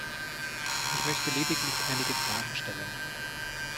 Ich möchte lediglich einige Fragen stellen.